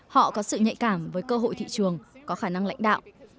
họ có sự nhạy cảm với cơ hội thị trường có khả năng lãnh đạo